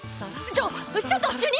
ちょちょっと主任！